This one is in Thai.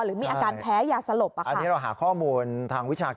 หรือมีอาการแพ้ยาสลบเปล่าครับในใดนี้เราหาข้อมูลทางวิชากร